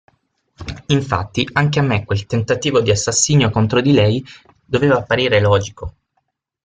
Infatti, anche a me quel tentativo di assassinio contro di lei doveva apparire logico.